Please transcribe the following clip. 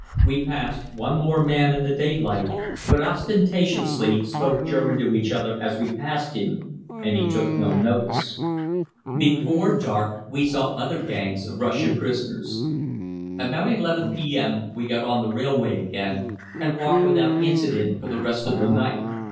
We passed one more man in the daylight, but ostentatiously spoke German to each other as we passed him, and he took no notice. Before dark we saw other gangs of Russian prisoners. About 11 p.m. we got on the railway again, and walked without incident for the rest of the night.